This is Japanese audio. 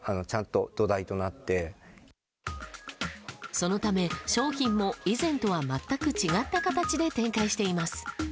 そのため商品も、以前とは全く違った形で展開しています。